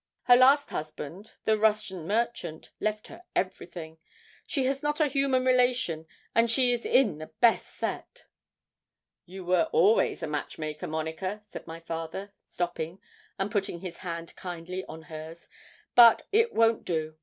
Her last husband, the Russian merchant, left her everything. She has not a human relation, and she is in the best set.' 'You were always a match maker, Monica,' said my father, stopping, and putting his hand kindly on hers. 'But it won't do.